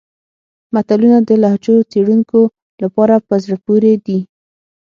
متلونه د لهجو څېړونکو لپاره په زړه پورې دي